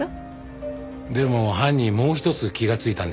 でも犯人もう一つ気がついたんですよ。